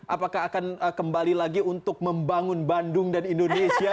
apakah akan kembali lagi untuk membangun bandung dan indonesia